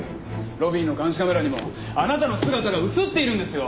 ロビーの監視カメラにもあなたの姿が映っているんですよ！